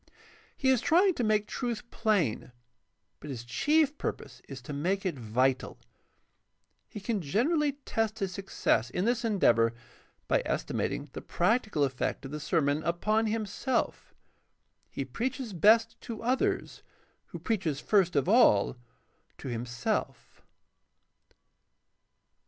He is trying to make truth plain, but his chief purpose is to make it vital. He can generally test his success in this en deavor by estimating the practical effect of the sermon upon himself. He preaches best to others who preaches first of all to himself.